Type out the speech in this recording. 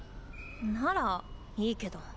ならいいけど。